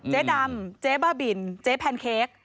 เจ๊ดำเจ๊บ้าบินเจ๊แพนเค้ก